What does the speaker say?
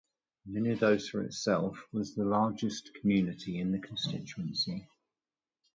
Minnedosa itself was the largest community in the constituency.